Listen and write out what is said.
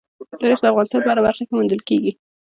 تاریخ د افغانستان په هره برخه کې موندل کېږي.